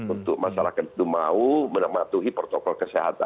untuk masyarakat itu mau menematuhi protokol kesehatan